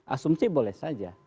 asumsi boleh saja